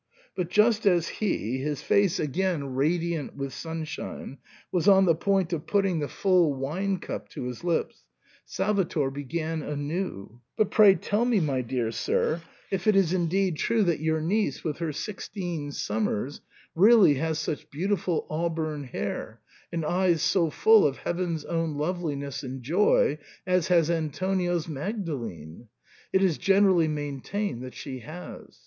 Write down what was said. But just as he, his face again radiant with sunshine, was on the point of putting the full wine cup to his lips, Salvator began anew. " But pray tell me, my dear sir, if it is I02 SIGNOR FORMICA. indeed true that your niece, with her sixteen summers, really has such beautiful auburn hair, and eyes so full of heaven's own loveliness and joy, as has Antonio's ' Magdalene ?' It is generally maintained that she has."